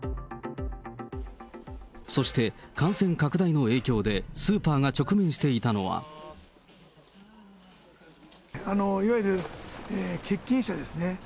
そして、感染拡大の影響で、スーパーが直面していたのは。いわゆる欠勤者ですね。